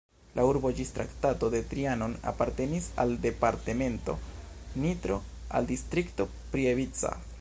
La urbo ĝis Traktato de Trianon apartenis al departemento Nitro, al Distrikto Prievidza.